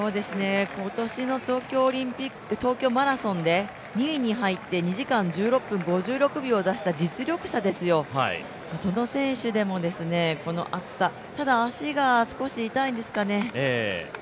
今年の東京マラソンで２位に入って２時間１６分５６秒を出した、実力者ですよ、その選手でもこの暑さ、ただ足が少し痛いんですかね。